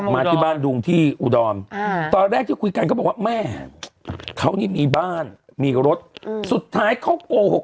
มาที่บ้านดุงที่อุดรตอนแรกที่คุยกันเขาบอกว่าแม่เขานี่มีบ้านมีรถสุดท้ายเขาโกหก